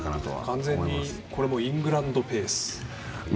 完全にイングランドペース。